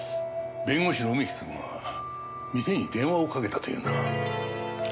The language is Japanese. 弁護士の梅木さんが店に電話をかけたというんだが。